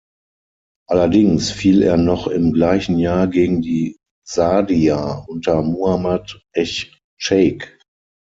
Allerdings fiel er noch im gleichen Jahr gegen die Saadier unter Muhammad ech-Cheikh.